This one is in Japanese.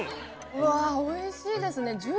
うわおいしいですね。